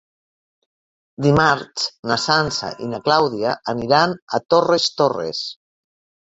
Dimarts na Sança i na Clàudia aniran a Torres Torres.